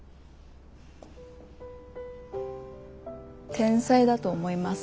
天才だと思います。